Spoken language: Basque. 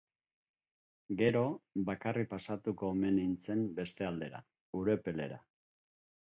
Gero, bakarrik pasatuko omen nintzen beste aldera, Urepelera.